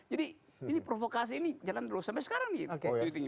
jadi ini provokasi ini jalan terus sampai sekarang gitu